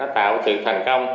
nó tạo sự thành công